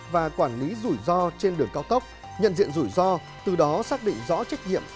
và quản lý rủi ro trên đường cao tốc nhận diện rủi ro từ đó xác định rõ trách nhiệm